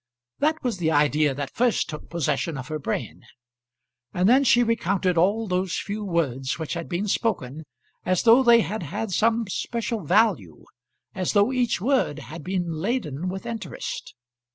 That was the idea that first took possession of her brain. And then she recounted all those few words which had been spoken as though they had had some special value as though each word had been laden with interest.